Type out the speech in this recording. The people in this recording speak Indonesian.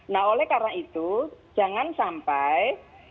nah oleh karena itu jangan sampai